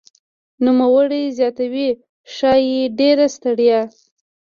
نوموړی زیاتوي "ښايي ډېره ستړیا